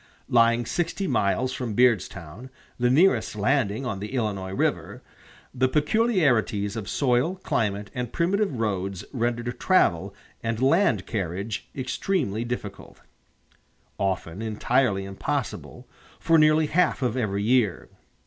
Lying sixty miles from Beardstown, the nearest landing on the Illinois River, the peculiarities of soil, climate, and primitive roads rendered travel and land carriage extremely difficult often entirely impossible for nearly half of every year.